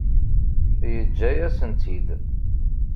Yeǧǧa-yasen-tt-id.